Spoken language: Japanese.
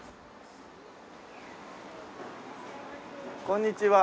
こんにちは。